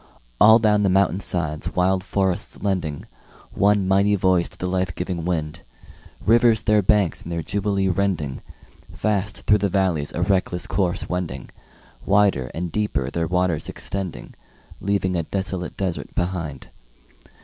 All down the mountain sides wild forests lending One mighty voice to the life giving wind, Rivers their banks in their jubilee rending, Fast through the valleys a reckless course wending, Wider and deeper their waters extending, Leaving a desolate desert behind.